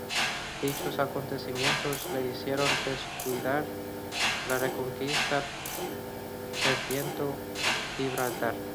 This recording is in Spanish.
Dichos acontecimientos le hicieron descuidar la Reconquista, perdiendo Gibraltar.